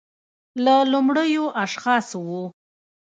له لومړیو اشخاصو و